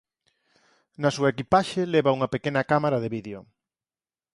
Na súa equipaxe leva unha pequena cámara de vídeo.